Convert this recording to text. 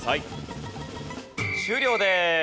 終了です。